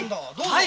はい！